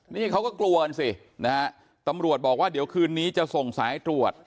นี่เขาก็กลัวกันสินะฮะตำรวจบอกว่าเดี๋ยวคืนนี้จะส่งสายตรวจ